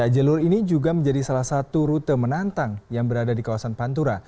jalur ini juga menjadi salah satu rute menantang yang berada di kawasan pantura